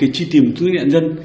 truy tìm những nhân dân